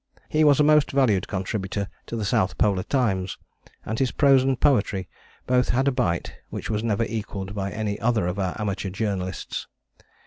He was a most valued contributor to The South Polar Times, and his prose and poetry both had a bite which was never equalled by any other of our amateur journalists.